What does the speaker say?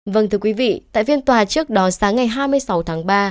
vâng thưa quý vị tại phiên tòa trước đó sáng ngày hai mươi sáu tháng ba